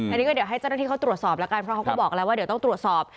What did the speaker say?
อันนี้ก็เดี๋ยวให้เจ้าหน้าที่เขาตรวจสอบแล้วกันเพราะเขาก็บอกแล้วว่าเดี๋ยวต้องตรวจสอบ